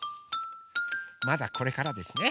まだこれからですね。